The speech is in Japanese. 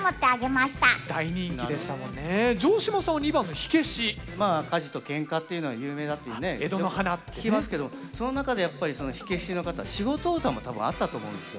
火事とけんかっていうのは有名だっていうね聞きますけどその中でやっぱり火消しの方仕事唄も多分あったと思うんですよ。